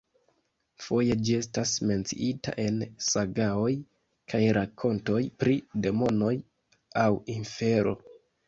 Foje ĝi estas menciita en sagaoj kaj rakontoj pri demonoj aŭ infero.